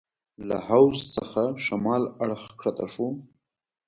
له حوض څخه شمال اړخ کښته شوو.